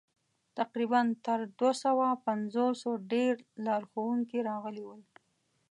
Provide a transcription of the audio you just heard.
تقریباً تر دوه سوه پنځوسو ډېر لارښوونکي راغلي ول.